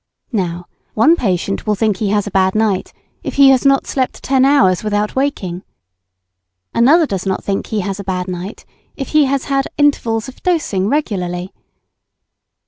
Now, one patient will think he has a bad night if he has not slept ten hours without waking. Another does not think he has a bad night if he has had intervals of dosing occasionally.